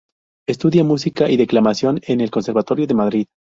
Estudia Música y Declamación en el Conservatorio de Madrid.